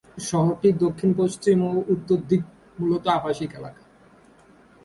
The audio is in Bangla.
শহরটির দক্ষিণ, পশ্চিম ও উত্তর দিক মূলত আবাসিক এলাকা।